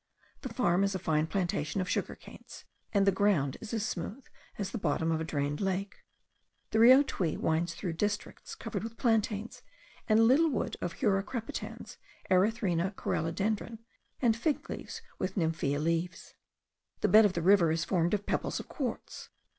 The farm is a fine plantation of sugar canes; and the ground is as smooth as the bottom of a drained lake. The Rio Tuy winds through districts covered with plantains, and a little wood of Hura crepitans, Erythrina corallodendron, and fig trees with nymphaea leaves. The bed of the river is formed of pebbles of quartz.